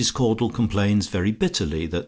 CAUDLE COMPLAINS VERY BITTERLY THAT MR.